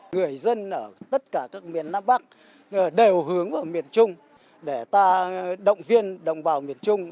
người dân ở tất cả các miền nam bắc đều hướng vào miền trung để ta động viên đồng bào miền trung